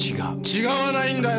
違わないんだよ！